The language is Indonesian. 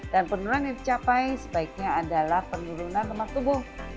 dan penurunan yang dicapai sebaiknya adalah penurunan lemak tubuh